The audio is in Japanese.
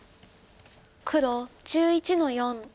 黒１１の四。